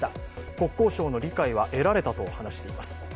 国交省の理解は得られたと話しています。